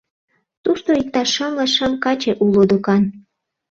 Тушто иктаж шымле шым каче уло докан.